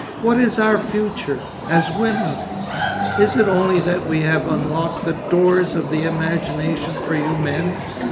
What is our future—as women? Is it only that we have unlocked the doors of the imagination for you men?